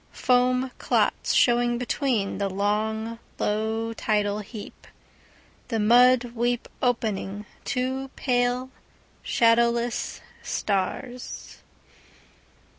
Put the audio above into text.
Foam clots showing betweenThe long, low tidal heap, The mud weed opening two pale, shadowless stars.